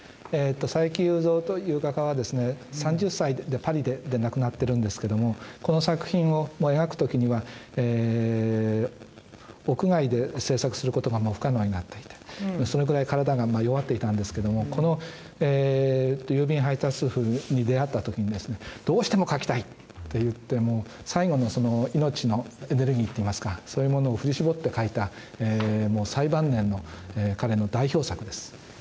佐伯祐三という画家は、３０歳でパリで亡くなってるんですけれども、この作品を描くときには、屋外で制作することが不可能になっていて、それぐらい体が弱っていたんですけれども、この郵便配達夫に出会ったときには、どうしても描きたいっていって、最後の命のエネルギーといいますか、そういうものを振り絞って描いた最晩年の彼の代表作です。